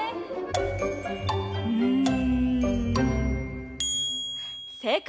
うん。